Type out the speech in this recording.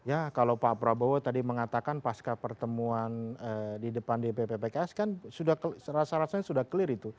ya kalau pak prabowo tadi mengatakan pasca pertemuan di depan dpp pks kan rasa rasanya sudah clear itu